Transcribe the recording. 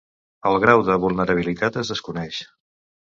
El grau de vulnerabilitat es desconeix.